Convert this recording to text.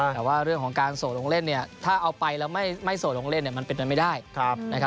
แต่ว่าเรื่องของการโสดลงเล่นเนี่ยถ้าเอาไปแล้วไม่โสดลงเล่นเนี่ยมันเป็นไปไม่ได้นะครับ